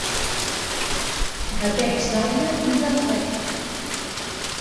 Batecs d’aire i de fe.